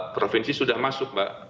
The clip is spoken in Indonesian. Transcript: provinsi sudah masuk mbak